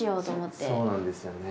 そうなんですよね